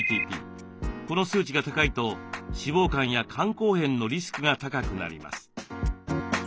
この数値が高いと脂肪肝や肝硬変のリスクが高くなります。